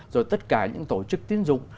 rồi tất cả những tổ chức tiến dụng